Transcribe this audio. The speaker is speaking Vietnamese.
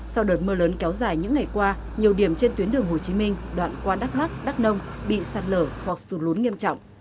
sau đợt mưa lớn kéo dài những ngày qua nhiều điểm trên tuyến đường hồ chí minh đoạn qua đắk lắc đắk nông bị sạt lở hoặc sụt lốn nghiêm trọng